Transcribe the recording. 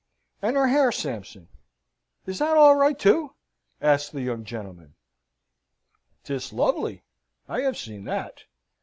"And her hair, Sampson, is that all right, too?" asks the young gentleman. "'Tis lovely I have seen that.